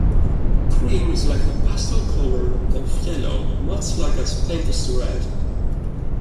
Cream is the pastel colour of yellow, much like as pink is to red.